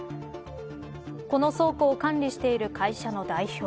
この倉庫を管理している会社の代表